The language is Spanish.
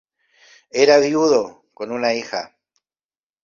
Era viudo con una hija.